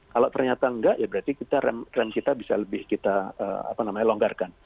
kalau ternyata enggak ya berarti rem kita bisa lebih kita longgarkan